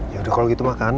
yaudah kalo gitu makan